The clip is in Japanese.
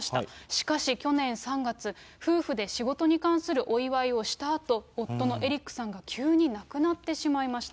しかし去年３月、夫婦で仕事に関するお祝いをしたあと、夫のエリックさんが急に亡くなってしまいました。